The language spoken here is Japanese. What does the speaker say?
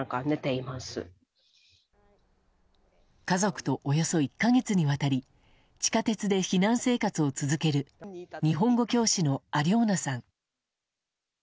家族とおよそ１か月にわたり地下鉄で避難生活を続ける日本語教師のアリョーナさん。